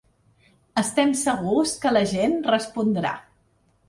Estem segurs que la gent respondrà.